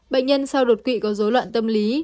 bệnh nhân sau đột quỵ có dối loạn tâm lý